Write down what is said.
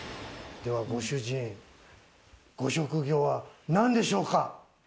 ではご主人、ご職業は何でしょうか？